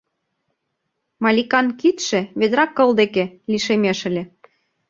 Маликан кидше ведра кыл деке лишемеш ыле.